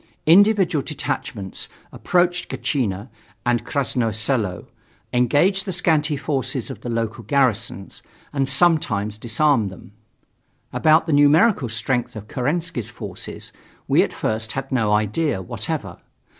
Individual detachments approached Gatchina and Krasnoye Selo, engaged the scanty forces of the local garrisons, and sometimes disarmed them. About the numerical strength of Kerensky's forces we at first had no idea whatever.